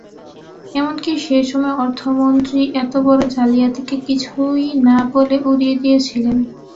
এমনকি সে সময়ে অর্থমন্ত্রী এত বড় জালিয়াতিকে কিছুই না বলে উড়িয়ে দিয়েছিলেন।